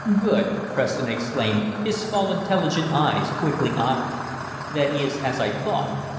"Good!" Preston exclaimed, his small, intelligent eyes twinkling oddly. "That is as I thought.